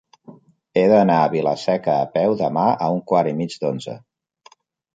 He d'anar a Vila-seca a peu demà a un quart i mig d'onze.